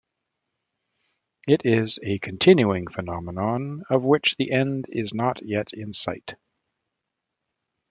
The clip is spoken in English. It is a continuing phenomenon of which the end is not yet in sight.